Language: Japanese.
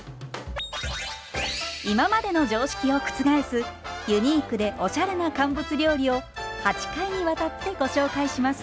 今までの常識を覆すユニークでおしゃれな乾物料理を８回にわたってご紹介します。